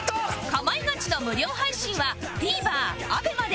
『かまいガチ』の無料配信は ＴＶｅｒＡＢＥＭＡ で